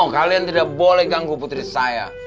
kalian tidak boleh ganggu putri saya